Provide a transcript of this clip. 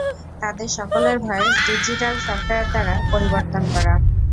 তাদের সকলের voice digital software দ্বারা পরিবর্তন করা।